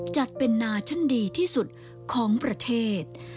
จัดเป็นนาชั้นดีที่สุดของประเทศ